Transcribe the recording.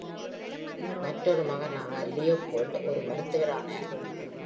மற்றொரு மகனான Leopold ஒரு மருத்துவரானார்.